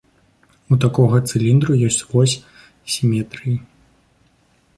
У такога цыліндру ёсць вось сіметрыі.